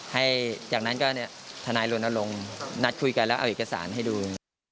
ให้จากนั้นก็ทนายรณรงค์นัดคุยกันแล้วเอาเอกสารให้ดู